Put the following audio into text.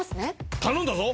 頼んだぞ。